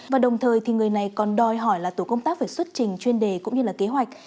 và đồng thời thì người này còn đòi hỏi là tổ công tác phải xuất trình chuyên đề cũng như là kế hoạch